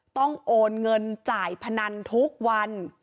โอนเงินจ่ายพนันทุกวัน